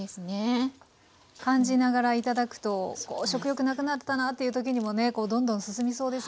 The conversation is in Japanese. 感じながら頂くと食欲なくなったなっていうときにもねどんどん進みそうですもんね。